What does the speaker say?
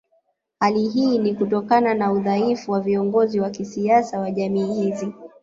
Hali hii ni Kutokana na udhaifu wa viongozi wa kisiasa wa jamii hizi